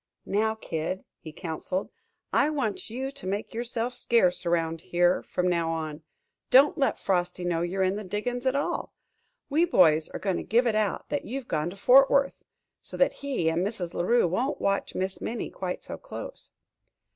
"Now, Kid," he counseled, "I want you to make yourself scarce around here from now on. Don't let Frosty know you're in the diggin's at all. We boys are going to give it out that you've gone to Fort Worth, so that he and Mrs. La Rue won't watch Miss Minnie quite so close."